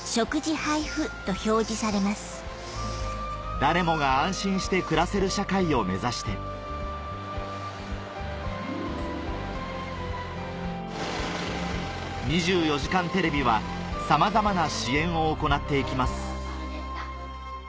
誰もが安心して暮らせる社会を目指して『２４時間テレビ』はさまざまな支援を行っていきます